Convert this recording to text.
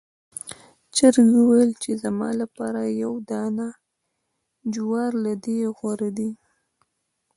چرګ وویل چې زما لپاره یو دانې جوار له دې غوره دی.